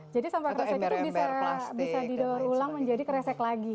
jadi sampah keresek itu bisa didaur ulang menjadi keresek lagi